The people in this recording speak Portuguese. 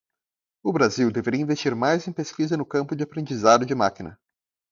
O Brasil deveria investir mais em pesquisa no campo de Aprendizado de Máquina